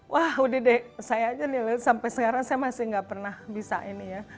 wah udah deh saya aja nih sampai sekarang saya masih nggak pernah bisa ini ya